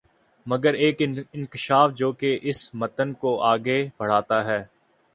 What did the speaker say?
مگر ایک انکشاف جو کہ اس متن کو آگے بڑھاتا ہے